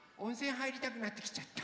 はいりたくなってきちゃった。